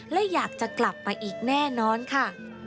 และอยากจะกลับมาอีกแน่นอนค่ะ